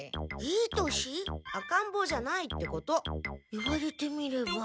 言われてみれば。